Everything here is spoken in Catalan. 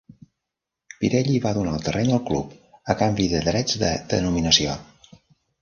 Pirelli va donar el terreny al club a canvi de drets de denominació.